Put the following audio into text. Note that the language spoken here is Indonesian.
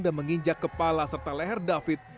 dan menginjak kepala serta leher david